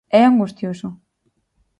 É angustioso.